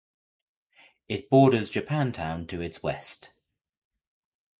It borders Japantown to its west.